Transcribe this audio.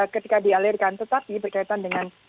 ketika dialirkan tetapi berkaitan dengan